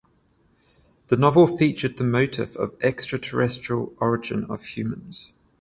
The novel featured the motif of extraterrestrial origin of humans.